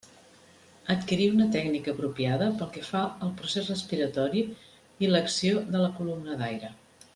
Adquirir una tècnica apropiada pel que fa al procés respiratori i l'acció de la columna d'aire.